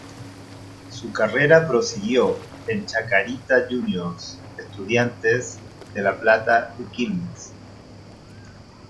Su carrera prosiguió en Chacarita Juniors, Estudiantes de La Plata y Quilmes.